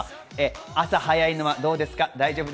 朝早いのはどうですか？